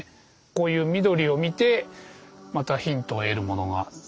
こういう緑を見てまたヒントを得るものがたくさんあって。